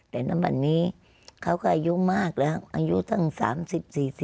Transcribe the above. แต่ณวันนี้เขาก็อายุมากแล้วอายุตั้ง๓๐๔๐